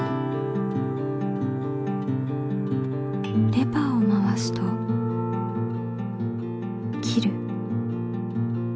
レバーを回すと切る。